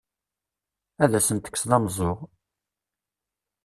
Ad asen-tekkseḍ ameẓẓuɣ!